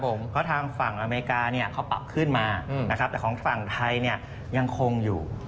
เพราะทางฝั่งอเมริกาเนี่ยเขาปรับขึ้นมานะครับแต่ของฝั่งไทยเนี่ยยังคงอยู่